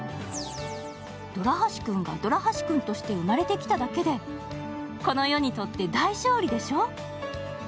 ドラ橋くんがドラ橋くんとして生まれてきただけでこの世にとって大勝利でしょ！？